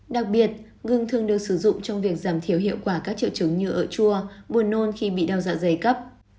đặc biệt ngừng thường được sử dụng trong việc giảm thiểu hiệu quả các triệu chứng như ở chua buồn nôn khi bị đau dạ dày cấp